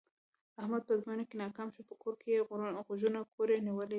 احمد په ازموینه کې ناکام شوی، په کور کې یې غوږونه کوړی نیولي دي.